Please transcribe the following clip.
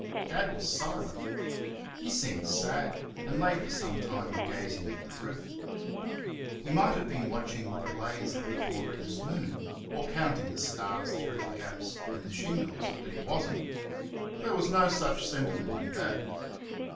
Dad was silent; he seemed sad, and lay for some time gazing at the roof. He might have been watching the blaze of the glorious moon or counting the stars through the gaps in the shingles, but he was n't there was no such sentiment in Dad.